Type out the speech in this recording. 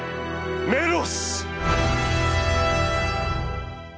メロス」。